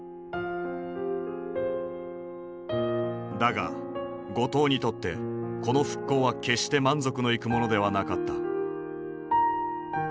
だが後藤にとってこの復興は決して満足のいくものではなかった。